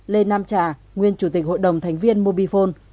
lê nam trà nguyên chủ tịch hội đồng thành viên mobifone